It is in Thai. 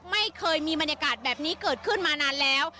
ไม่เคยมีบรรยากาศแบบนี้เกิดขึ้นมานานแล้ว